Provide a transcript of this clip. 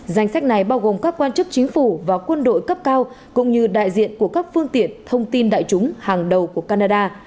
danh sách này bao gồm các quan chức chính phủ và quân đội cấp cao cũng như đại diện của các phương tiện thông tin đại chúng hàng đầu của canada